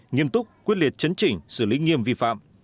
nghiêm túc quyết liệt chấn chỉnh xử lý nghiêm vi phạm